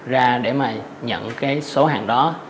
ra để mà nhận cái số hàng đó